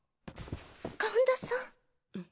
神田さん？